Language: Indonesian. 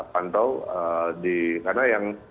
pantau di karena yang